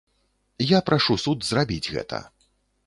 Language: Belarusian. Я прашу суд зрабіць гэта.